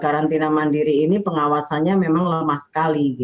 karantina mandiri ini pengawasannya memang lemah sekali